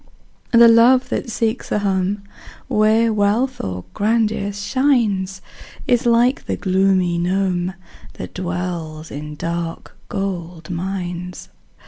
The love that seeks a home Where wealth or grandeur shines, Is like the gloomy gnome, That dwells in dark gold mines.